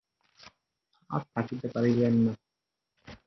আর থাকিতে পারিলেন না।